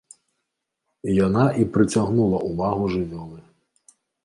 Яна і прыцягнула ўвагу жывёлы.